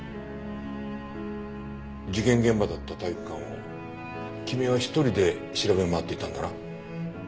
事件現場だった体育館を君は一人で調べ回っていたんだな。